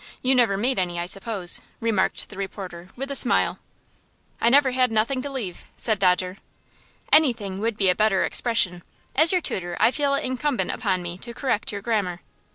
You never made any, I suppose," remarked the reporter, with a smile. "I never had nothing to leave," said Dodger. "Anything would be a better expression. As your tutor I feel it incumbent upon me to correct your grammar."